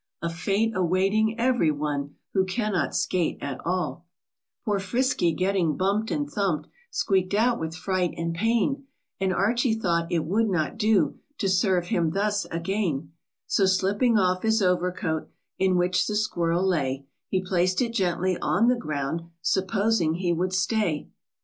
Foor Frisky getting bump'd and thump'd, Squeak'd out with fright and pain, And Archie thought it would not do To serve him thus again. So slipping off his over coat, In which the squirrel lay, He placed it gently on the ground, Supposing he would stay.